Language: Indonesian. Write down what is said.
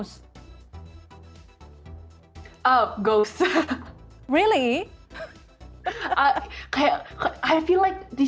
kedua apa yang paling menakutkan